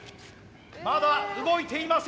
まだ動いていません。